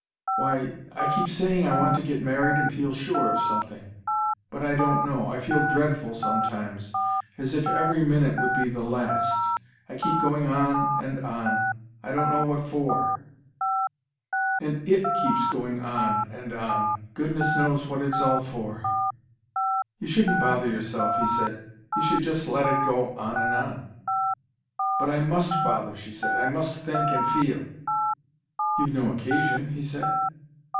"Why, I keep saying I want to get married and feel sure of something. But I don't know I feel dreadful sometimes as if every minute would be the last. I keep going on and on I don't know what for and IT keeps going on and on goodness knows what it's all for." "You shouldn't bother yourself," he said. "You should just let it go on and on " "But I MUST bother," she said. "I must think and feel " "You've no occasion," he said.